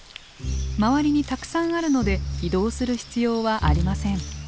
周りにたくさんあるので移動する必要はありません。